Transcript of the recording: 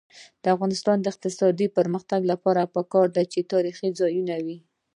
د افغانستان د اقتصادي پرمختګ لپاره پکار ده چې تاریخي ځایونه وي.